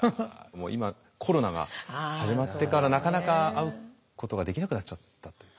今コロナが始まってからなかなか会うことができなくなっちゃったという。